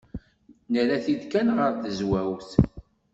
Nerra-t-id kan ɣer tezwawt.